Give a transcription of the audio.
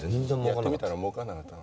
やってみたらもうかんなかった。